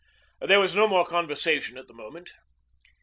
There was no more conversation at the moment.